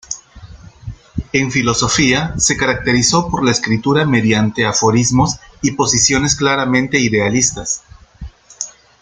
En filosofía se caracterizó por la escritura mediante aforismos y posiciones claramente idealistas.